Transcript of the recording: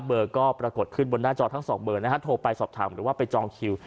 เบอร์ก็ปรากฏขึ้นบนหน้าจอทั้งสองเบอร์นะฮะโทรไปสอบถามหรือว่าไปจองคิว